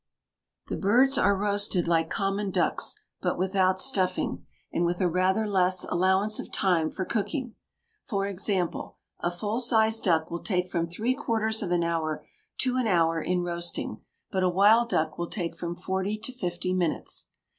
The birds are roasted like common ducks, but without stuffing, and with a rather less allowance of time for cooking. For example, a full sized duck will take from three quarters of an hour to an hour in roasting, but a wild duck will take from forty to fifty minutes.